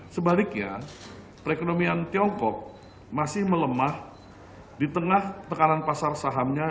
sebaliknya perekonomian tiongkok masih melemah di tengah tekanan pasar sahamnya